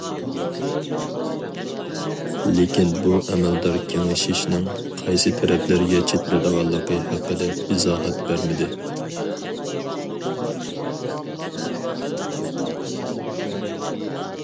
لېكىن بۇ ئەمەلدار كېڭىشىشنىڭ قايسى تەرەپلەرگە چېتىلىدىغانلىقى ھەققىدە ئىزاھات بەرمىدى.